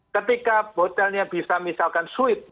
ketika modelnya bisa misalkan suit